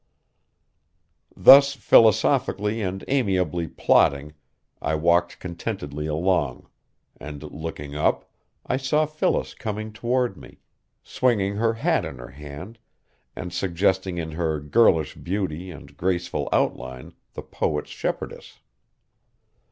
Thus philosophically and amiably plotting I walked contentedly along, and, looking up, I saw Phyllis coming toward me, swinging her hat in her hand, and suggesting in her girlish beauty and graceful outline the poet's shepherdess.